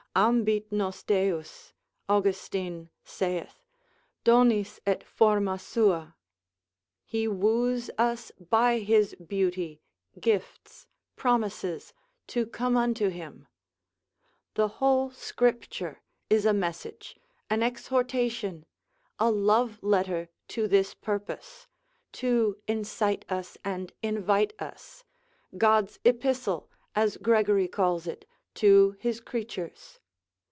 Ambit nos Deus (Austin saith) donis et forma sua, he woos us by his beauty, gifts, promises, to come unto him; the whole Scripture is a message, an exhortation, a love letter to this purpose; to incite us, and invite us, God's epistle, as Gregory calls it, to his creatures.